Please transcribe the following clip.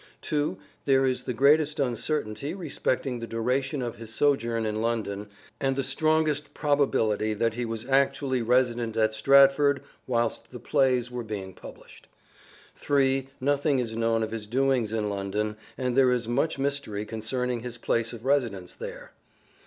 2. There is the greatest uncertainty respecting the duration of his sojourn in London and the strongest probability that he was actually resident at Stratford whilst the plays were being published. 3. Nothing is known of his doings in London, and there is much mystery concerning his place of residence there.